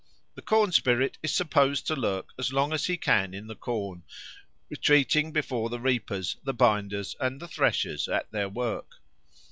The corn spirit is supposed to lurk as long as he can in the corn, retreating before the reapers, the binders, and the threshers at their work.